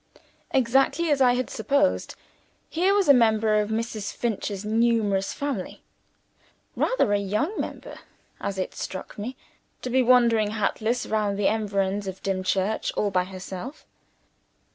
Exactly as I had supposed, here was a member of Mrs. Finch's numerous family. Rather a young member, as it struck me, to be wandering hatless round the environs of Dimchurch, all by herself.